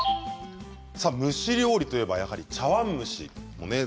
蒸し料理といえばやはり茶わん蒸しです。